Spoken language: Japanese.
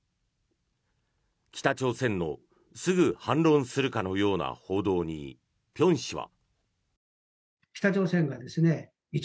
北朝鮮のすぐ反論するかのような報道に辺氏は。